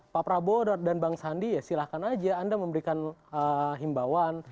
pak prabowo dan bang sandi ya silahkan aja anda memberikan himbauan